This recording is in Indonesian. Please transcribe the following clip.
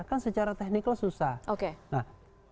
kan secara teknik lah susah